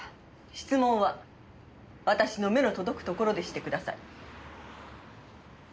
質問は私の目の届くところでしてください。